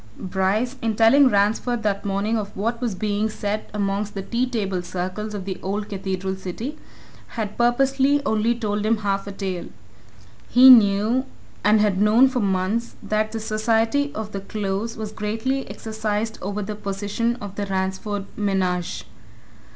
Bryce, in telling Ransford that morning of what was being said amongst the tea table circles of the old cathedral city, had purposely only told him half a tale. He knew, and had known for months, that the society of the Close was greatly exercised over the position of the Ransford menage.